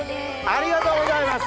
ありがとうございます。